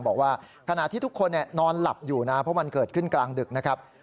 บอกว่าขณะที่ทุกคนนอนหลับอยู่นะเพราะมันเกิดขึ้นกลางดึกนะครับ